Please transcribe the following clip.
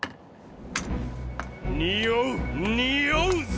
におうにおうぜ！